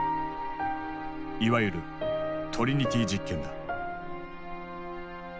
いわゆる「トリニティ実験」だ。